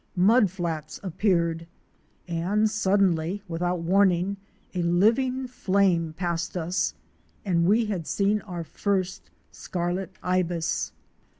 Mud flats appeared, and suddenly, without warning, a living flame passed us — and we had seen our first Scarlet Ibis''.